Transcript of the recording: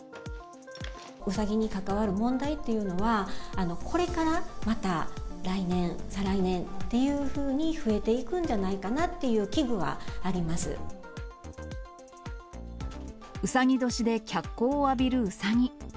うさぎに関わる問題というのは、これからまた来年、再来年っていうふうに増えていくんじゃないかなっていう危惧はあうさぎ年で脚光を浴びるうさぎ。